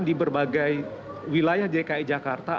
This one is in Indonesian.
di berbagai wilayah dki jakarta